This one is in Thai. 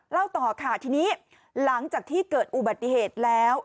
เล่าต่อค่ะทีนี้หลังจากที่เกิดอุบัติเหตุแล้ว